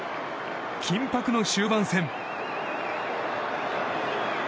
緊迫の終盤戦。